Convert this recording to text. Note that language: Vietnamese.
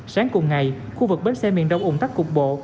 sáng cùng ngày khu vực bến xe miền đông ủng tắc cục bộ